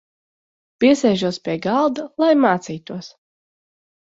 Piesēžos pie galda, lai mācītos.